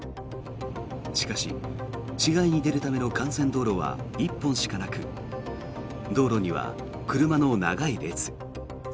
しかし市外に出るための幹線道路は１本しかなく道路には車の長い列。